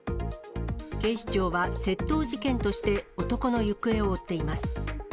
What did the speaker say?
警視庁は窃盗事件として男の行方を追っています。